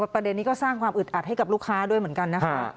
ประเด็นนี้ก็สร้างความอึดอัดให้กับลูกค้าด้วยเหมือนกันนะคะ